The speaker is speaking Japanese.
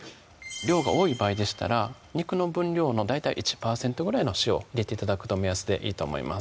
量が多い場合でしたら肉の分量の大体１％ぐらいの塩入れて頂くと目安でいいと思います